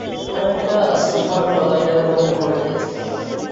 আমি একটা super collider এর মধ্যে পড়ে গিয়েছিলাম।